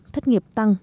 thất nghiệp tăng